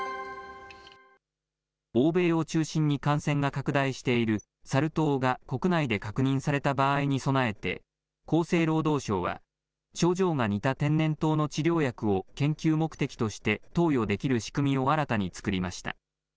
欧米を中心に感染が拡大しているサル痘が国内で確認された場合に備えて、厚生労働省は、症状が似た天然痘の治療薬を研究目的として投与できる仕組みを新たに作りました。